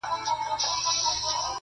اوس به څوك لېږي ميرا ته غزلونه٫